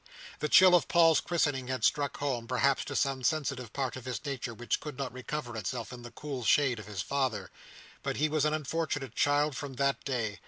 The chill of Paul's christening had struck home, perhaps to some sensitive part of his nature, which could not recover itself in the cold shade of his father; but he was an unfortunate child from that day.